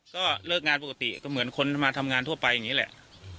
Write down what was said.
ก็เลิกงานปกติก็เหมือนคนมาทำงานทั่วไปอย่างนี้แหละ